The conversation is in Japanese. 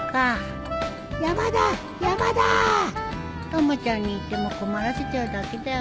たまちゃんに言っても困らせちゃうだけだよね